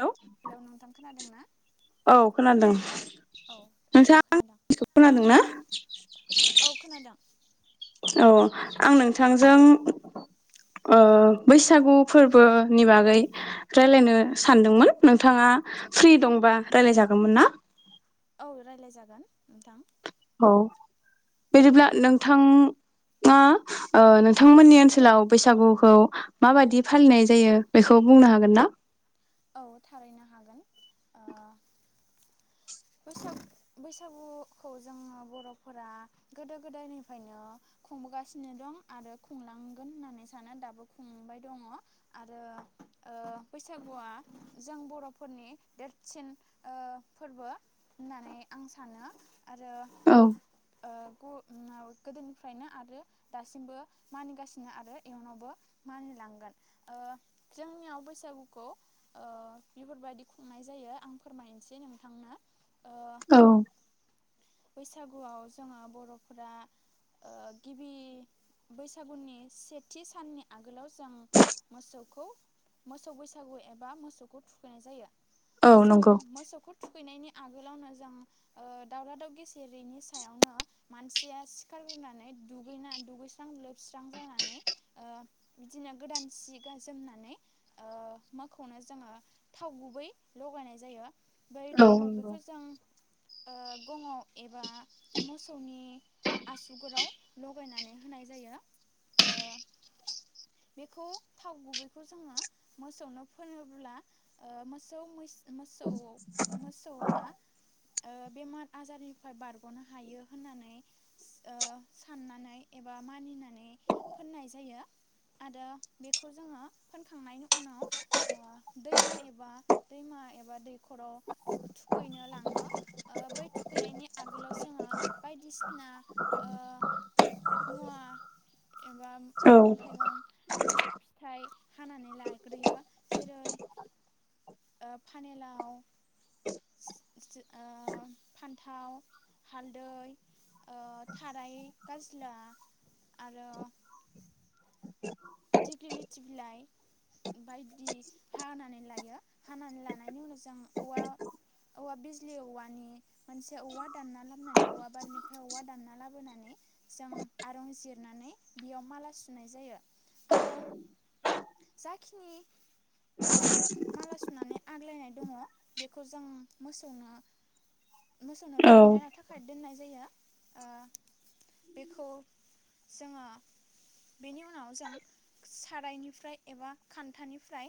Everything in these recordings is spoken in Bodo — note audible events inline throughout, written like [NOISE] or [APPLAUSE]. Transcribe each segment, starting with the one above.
हेलौ नोंथां खोनादों ना? औ खोनादों औ आंबो नोंथाङा खोनादों आंनिखौ खोनादों ना? औ खोनादों औ आं नोंथांजों ओ बैसागु फोरबोनि बागै रायलायनो सानदोंमोन नोंथाङा फ्रि दंबा रायलायजागौमोन ना? औ रायलाय जागोन नोंथां। औ बिदिब्ला नोंथाङा ओ नोंथांमोननि ओनसोलाव बैसागुखौ माबादि फालिनाय जायो बेखौ बुंनो हागोन ना? औ थारैनो हागोन ओ बैसाग बैसागुखौ जोङो बर'फोरा गोदो गोदायनिफ्रायनो खुंबोगासिनो दं आरो खुंलांगोन होननानै सानो दाबो खुंबाय दङ आरो ओ बैसागुआ जों बर'फोरनि देरसिन ओ फोरबो होननानै आं सानो आरो औ ओ ग गोदोनिफ्रायनो आरो दासिमबो मानिगासिनो आरो इयुनावबो मानिलांगोन ओ जोंनियाव बैसागुखौ ओ बेफोरबायदि खुंनाय जायो आं फोरमायनोसै नोंथांनो ओ औ बैसागुआव जोङो बर'फोरा ओ गिबि बैसागुनि सेथि साननि आगोलाव जों मोसौखौ मोसौ बैसागु एब बा मोसौखौ थुखैनाय जायो औ जों नंगौ मोसौखौ थुखैनायनि आगोलावनो जों ओ दावरा दाव गेसेेरैनि सायावनो मानसिया सिखारग्रोनानै दुगैना दुगैस्रां लोबस्रां जानानै ओ बिदिनो गोदान सि गा जोमनानै ओ मोख खौनो जोङो थाव गुबै लगायनाय जायो। बै औ थाव नंगौ गुबैखौ जों गङाव एबा मोसौनि आसुगुराव लगायनानै होनाय जायो ओ बेखौ थाव गुबैखौ जोङो मोसौनो फोनोब्ला ओ मोसौ म मोसौ मोसौआ ओ बेमार आजारनिफ्राय बारगनो हायो होननानै ओ साननानै एबा मानिनानै फोननाय जायो। आरो बेखौ जोङो फोनखांनायनि उनाव ओ दैमा एबा दैमा एबा दैखराव थुखैनो लाङो बै थुखैनायनि आगोलाव जोङो बायदिसिना ओ मुवा एबा औ मैगं थाइगं फिथाइ हानानै लाग्रोयो। जेरै पानेलाव ओ फान्थाव, हालदै, थाराय गाज्ला आरो दिग्लि लिथि बिलाइ बायदि हानानै लायो हानानै लानायनि उनाव जों औवा औवा बिजलि औवानि मोनसे औवा दानना लाबोनानै औवा बारिनिफ्राय औवा दानना लाबोनानै जों आरं जिरनानै बेयाव माला सुनाय जायो। आरो जाखिनि ओ माला सुनानै आग्लायनाय दङ बेखौ जों मोसौनो मोसौनाव औ थुखैना होनो थखाय दोननाय जायो ओ बेखौ जोङो बेनि उन उनाव जों सारायनिफ्राय एबा खान्थानिफ्राय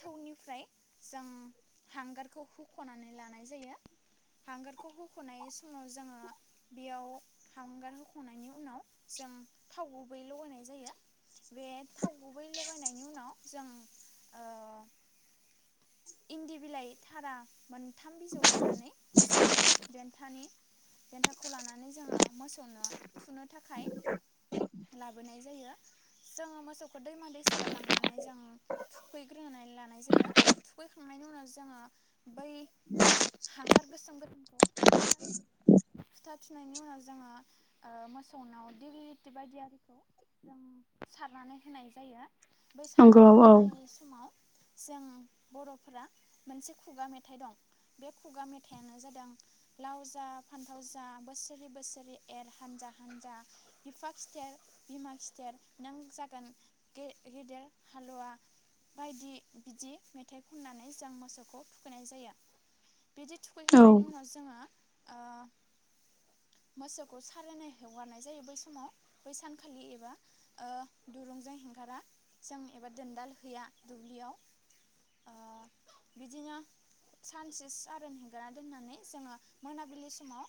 थौनिफ्राय जों हांगारखौ हुखनानै लानाय जायो हांगारखौ हुखनाय समाव जोङो बेयाव हांगार हुखनायनि उनाव जों थाव गुबै लगायनाय जायो। बे थाव गुबै लगायनायनि उनाव जों ओ इन्दि बिलाइ थारा मोनथाम बिजौ लानानै जों देन्थानि देन्थाखौ लानानै जोङो मोसौनो थुनो थाखाय लाबोनाय जायो। जोङो मोसौखौ दैमा दैसायाव लांनानै जों थुखैग्रोनानै लानाय जायो थुखैखांनायनि उनाव जोङो बै हांगार गोसोमफोर [INAUDIBLE] फिथा थुनायनि उनाव जोङो ओमोसौनाव दिभलिटि बायदि आरिखौ जों सारनानै होनाय जायो। बै नंगौ सारनानै औ होनाय समाव जों बर'फोरा मोनसे खुगा मेथाइ दं बे खुगा मेथायानो जादों लाव जा फान्थाव जा बोसोरै बोसोरै एर हानजा हानजा बिफा खिथेर बिमा खि खिथेर नों जागोन गेदेर हालुवा बायदि बिदि मेथाइ खननानै जों मोसौखौ थुखैनाय जायो। बिदि औ थुखैखांनायनि उनाव जोङो ओ मोसौखौ सारायनाय हगारनाय जायो बै समाव बै सानखालि एबा ओ दुरुंजों होगारा जों एबा दोनदाल हैया दुब्लियाव ओ बिदिनो सानसे सारोन होगारा दोननानै जोङो मोनाबिलि समाव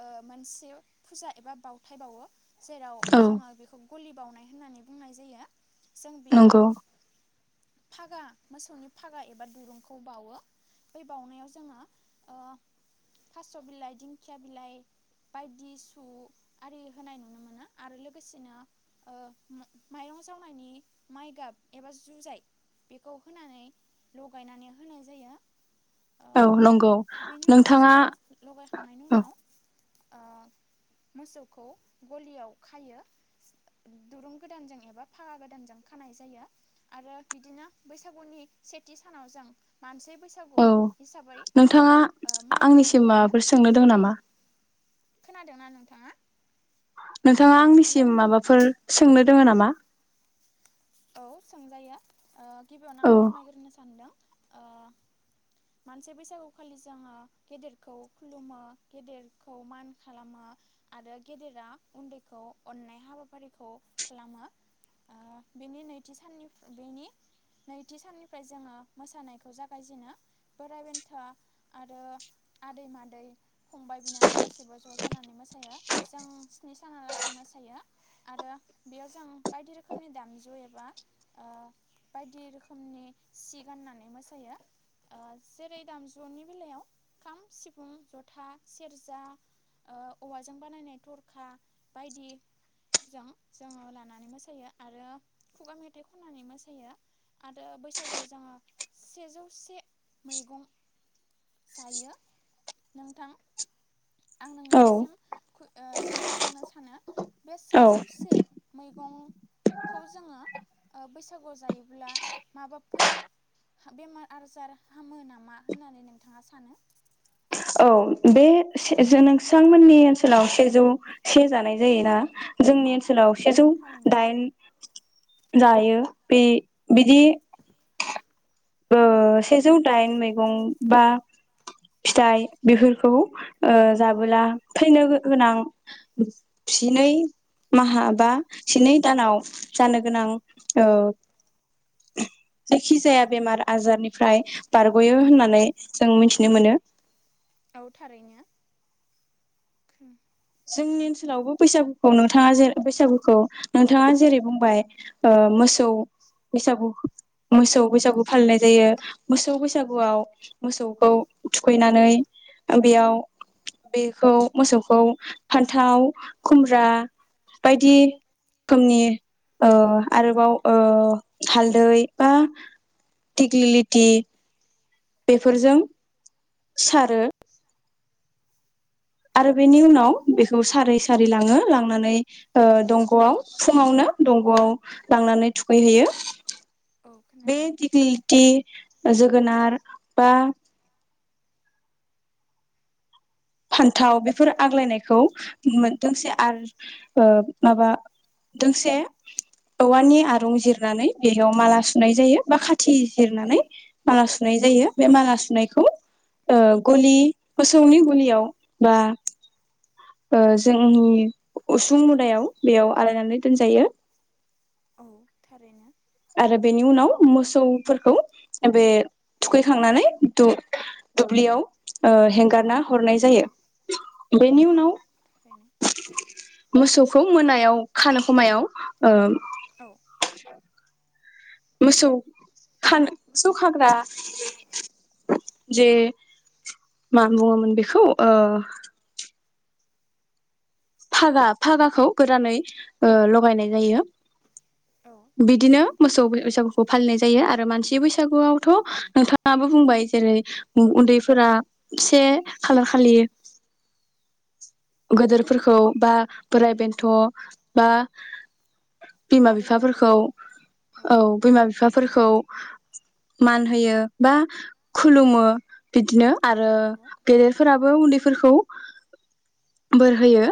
ओ मोनसे फुजा एबा बावथाय बावो। जेराव औ जोङो बेखौ बावनाय होननानै बुंनाय जायो। जों बेयाव नंगौ फागा मोसौनि फागा एबा दुरुंखौ बावो बै बाउनायाव जोङो ओ थास बिलाइ दिंखिया बिलाइ बायदि सुआरि होनाय नुनो मोनो आरो लोगोसेनो ओ मा-माइरं जावनायनि माइगाब एबा जुजाइ बेखौ होनानै लगायनानै होनाय जायो। औ ओ नंगौ बेनि उनाव नोंथाङा जोङो लगायखांनायनि औ। उनाव ओ मोसौखौ गलियाव खायो। दुरुं गोदानजों एबा फागा गोदानजों खानाय जायो आरो बिदिनो बैसागुनि सेथि सानाव जों मानसि बैसागु औ हिसाबै नोंथाङा मानिनानै आंनिसिम लायो। माबाफोर सोंनो दङ जेरै नामा खोनादोंना नोंथाङा। नोंथाङा हेलौ आंनिसिम माबाफोर सोंनो दङो नामा‌? औ सोंजायो। गिबियावनो औ आं फोरमायग्रोनो सानदों। ओ मानसि बैसागु खालि जोंहा‌ गेदेरखौ खुलुमो गेदेरखौ मान खालामो आरो गेदेरा उन्दैखौ अन्नाय हाबाफारिखौ खालामो ओ बेनि नैथि साननि बेनि नैथि साननिफ्राय जोङो मोसानायखौ जागायजेनो बोराइ बेन्था आरो आदै मादै फंबाय बिनानाव गासैबो ज' जानानै मोसायो जों स्नि सानहालासे मोसायो आरो बेयाव जों बायदि रोखोमनि दामजु दामजु एबा ओ बायदि रोखोमनि सि गाननानै मोसायो ओ जेरै दामजुनि बेलायाव खाम सिफुं ज'था सेरजा ओ औवाजों बानायनाय थरखा बायदिजों जोङो लानानै मोसायो आरो खुगा मेथाइ खननानै मोसायो आरो बैसागुआव जोङो सेजौसे मैगं जायो नोंथां आं औ नोंनिसिम ओ सोंथि सोंनो सानो? बे औ सेजौ से मैगं खौ जोङो ओ बैसागुआव जायोब्ला माबाफोर बेमार आजार हामो नामा होननानै नोंथाङा सानो? औ बे से-नोंसांमोननि ओनसोलाव सेजौ से जानाय जायोना जोंनि ओनसो सोलाव सेजौ थारैनो दाइन जायो बे बिदि ओ सेजौ दाइन मैगं बा फिथाइ बेफोरखौ ओ जाबोला फैनो गोनां जिनै माहा बा जिनै दानाव जानो गोनां ओ जायखि जाया बेमार आजारनिफ्राय बारग'यो होननानै जों मिथिनो मोनो। औ थारैनो। जोंनि ओनसोलावबो बैसागुखौ नोंथाङा जे बैसागुखौ नोंथाङा जेरै बुंबाय ओ मोसौ बैसागु मोसौ बैसागु फालिनाय जायो मोसौ बैसागुआव मोसौखौ थुखैनानै बेयाव बेखौ मोसौखौ फान्थाव खुमब्रा बायदि खोमनि ओ आरोबाव ओ हालदै बा दिग्लिलिटि बेफोरजों सारो। आरो बेनि औ उनाव बेखौ सारै सारि लाङो लांनानै ओ औ दंग'आव खोनादों फुङावनो दंग'आव लांनानै थुखैहैयो। औ बे खोनादों दिगलिलिटि जोगोनार बा फान्थाव बेफोर आग्लायनायखौ मो दोंसे ओ माबा दोंसे औवानि आरुं जिरनानै बेयाव माला सुनाय जायो बा खाथि जिरनानै माला सुनाय जायो बे माला सुनायखौ ओ गलि मोसौनि गलियाव बा ओ जोंनि उसुं मुदायाव बेयाव आलायनानै दोनजायो। औ थारैनो। आरो बेनि उनाव मोसौफोरखौ बे थुखैखांनानै दु- दुब्लियाव ओ हेंगारना हरनाय जायो। बेनि औ उनाव थारैनो मोसौखौ मोनायाव खानो खमायाव ओ औ। मोसौ थानो सौखाग्रा जे मा बुङोमोन बेखौ ओ फागा फागाखौ गोदानै ओ लगायनाय जायो। औ बिदिनो खोनादों मोसौ थारैनो बैसागुखौ फालिनाय जायो आरो मानसि बे बैसागुआवथ' नोंथाङाबो बुंबाय जेरै उन्दैफोरा से खालार खालि गोदोरफोरखौ बा बोराय बेन्थ बा बिमा आदै मादै बिफाफोरखौ औ बिमा बिफाफोरखौ खौ मान होयो बा खुलुमो बिदिनो औ आरो नंगौ गेदेरफोराबो उन्दैफोरखौ बोर होयो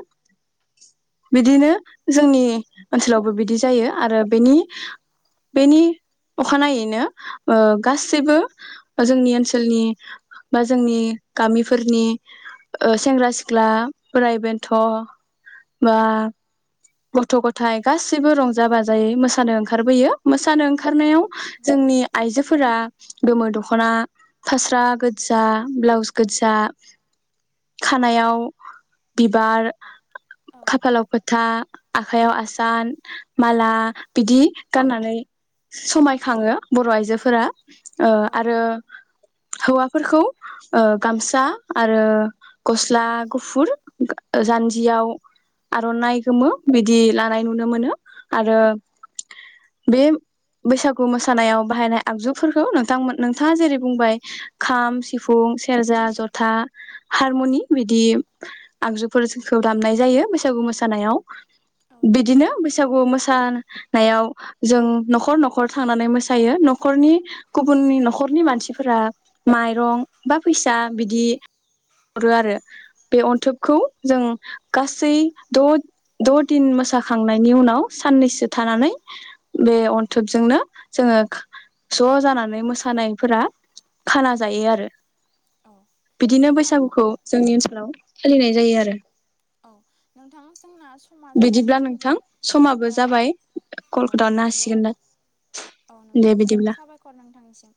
बिदिनो जोंनि ओनसोलावबो बिदि जायो आरो बेनि बेनि अखानायैनो ओ गासैबो जोंनि ओनसोलनि बा जोंनि गामिफोरनि ओ सेंग्रा सिख्ला बोराइ बेन्थ बा गथ गथाय गासिबो रंजा बाजायै मोस सानो ओंखारबोयो मोसानो औ ओंखारनायाव नंगौ जोंनि आइजोफोरा गोमो दखना फास्रा गोजा ब्लाउस गोजा खानायाव बिबार औ खाफालाव फोथा आखाइयाव आसान माला बिदि गाननानै समाय खाङो बर आइजोफोरा ओ औ आरो हौवाफोरखौ ओ गामसा आरो गस्ला गुफुर जान्जियाव आरनाइ गोमो बिदि लानाय नुनो मोनो आरो बे बैसागु मोसानायाव बाहायनाय आगजुफोरखौ नोंथांमोन नोंथाङा जेरै बुंबाय खाम सिफुं सेरजा जथा हारमनि बिदि आगजुफोरखौ दामनाय जायो बैसागु मोसानायाव औ बिदिनो थारैनो बैसागु मोसा नायाव जों नखर नखर थांनानै मोसायो नखरनि गुबुननि नखरनि मानसिफोरा माइरं बा फैसा बिदि हरो आरो बे अन्थोबखौ जों गासै द द दिन मोसाखांनायनि उनाव साननैसो थानानै बे अन्थोबजोंनो जोङो ज जानानै मोसानायफोरा खाना जायो आरो औ बिदिनो नोंथां बैसागुखौ जोंनि ओनसोल लाव सोलिनाय जायो आरो औ नोंथां जोंना समा जानानै बिदिब्ला नोंथां फैबाय समाबो ओ जाबाय औ कलखौ दाननो नंगौ हासिगोन दा औ दे नोंथां बिदिब्ला साबायखर नोंथांनिसिम